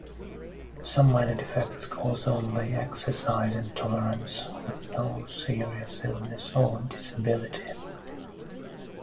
Some minor defects cause only "exercise intolerance", with no serious illness or disability.